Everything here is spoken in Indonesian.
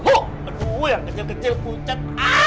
aduh yang kecil kecil pucat